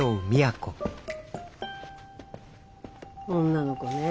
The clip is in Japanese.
女の子ね。